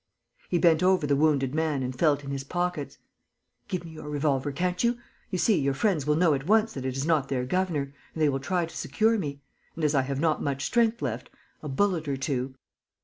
He bent over the wounded man and felt in his pockets: "Give me your revolver, can't you? You see, your friends will know at once that it is not their governor; and they will try to secure me.... And, as I have not much strength left, a bullet or two....